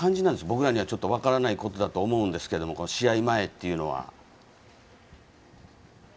僕らには分からないことだと思うんですけども試合前というのは。